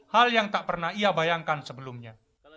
hal yang tak pernah ia bayangkan sebelumnya